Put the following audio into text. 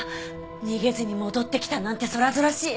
逃げずに戻ってきたなんて空々しい。